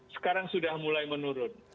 sekarang sudah mulai menurun